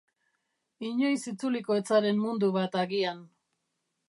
Inoiz itzuliko ez zaren mundu bat agian.